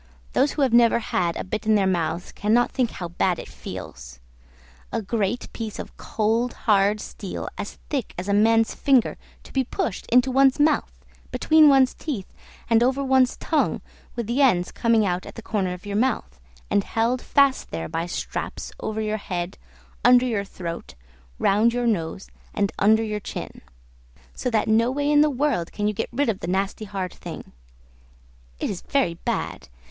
Those who have never had a bit in their mouths cannot think how bad it feels; a great piece of cold hard steel as thick as a man's finger to be pushed into one's mouth, between one's teeth, and over one's tongue, with the ends coming out at the corner of your mouth, and held fast there by straps over your head, under your throat, round your nose, and under your chin; so that no way in the world can you get rid of the nasty hard thing; it is very bad!